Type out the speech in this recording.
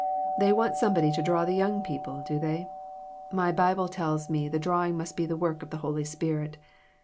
They want somebody to draw the young people, do they ? My Bible tells me the drawing must be the work of the Holy Spirit.